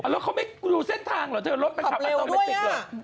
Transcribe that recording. แล้วเขาไม่รู้เส้นทางเหรอเธอรถมันขับมาต้องไม่ติดหรือ